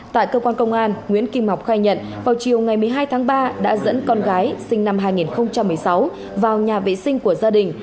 tại cơ quan công an nguyễn kim ngọc khai nhận vào chiều ngày một mươi hai tháng ba đã dẫn con gái sinh năm hai nghìn một mươi sáu vào nhà vệ sinh của gia đình